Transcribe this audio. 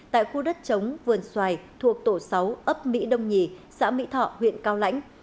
tại khu đất chống vườn xoài thuộc tổ sáu ấp mỹ đông nhì xã mỹ thọ huyện cao lãnh